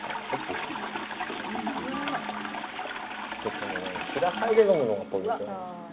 このね平盃で飲むのがポイントなんです。